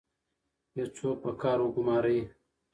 یو څوک په کار وګمارئ.